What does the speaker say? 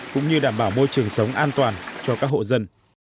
cũng như đảm bảo môi trường sống an toàn cho các hộ dân